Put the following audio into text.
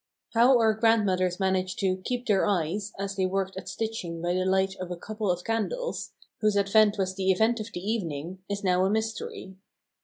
How our grandmothers managed to "keep their eyes" as they worked at stitching by the light of a couple of candles, whose advent was the event of the evening, is now a mystery.